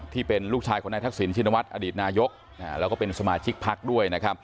ที่เป็นลูกชายของนักฐักษีฉินตมวัฏอดีตนายกและเป็นสมาชิกพักด้วย